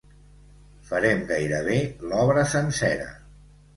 Farem gairebé l’obra sencera.